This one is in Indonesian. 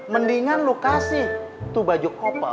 mendingan lo kasih tuh baju kopel